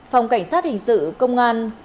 phòng cảnh sát hình sự công an